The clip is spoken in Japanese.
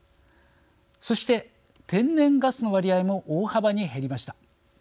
そして天然ガスの割合も大幅に減りました。